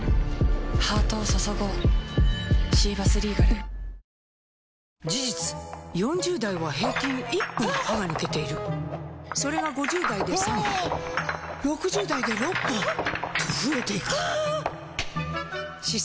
うまダブルなんで事実４０代は平均１本歯が抜けているそれが５０代で３本６０代で６本と増えていく歯槽